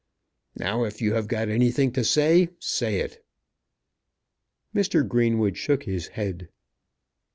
Now, if you have got anything to say, say it." Mr. Greenwood shook his head.